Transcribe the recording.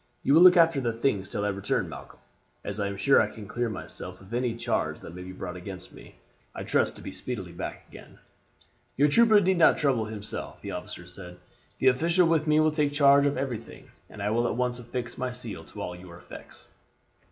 'You will look after the things till I return, Malcolm. As I am sure I can clear myself of any charge that may be brought against me, I trust to be speedily back again. "'Your trooper need not trouble himself,' the officer said; 'the official with me will take charge of everything, and will at once affix my seal to all your effects.'